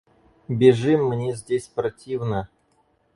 Бежим мне здесь противно!